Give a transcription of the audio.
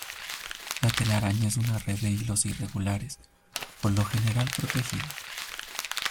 La telaraña es una red de hilos irregulares, por lo general protegida.